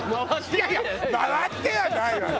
いやいや回ってはないわよ！